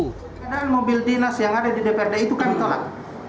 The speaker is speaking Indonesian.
keberadaan mobil dinas yang ada di dprd itu kami tolak